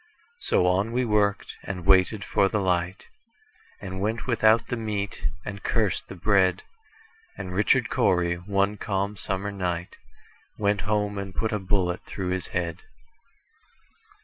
So on we worked, and waited for the light, And went without the meat, and cursed the bread; And Richard Cory, one calm summer night, Went home and put a bullet through his head.